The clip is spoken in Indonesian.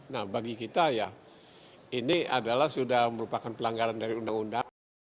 nah bagi kita ya ini adalah sudah merupakan pelanggaran dari undang undang